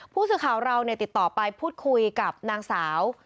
ผู้สื่อข่าวเราติดต่อไปพูดคุยกับนางสาว